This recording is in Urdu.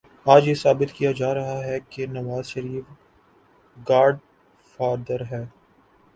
آج یہ ثابت کیا جا رہا ہے کہ نوازشریف گاڈ فادر ہے۔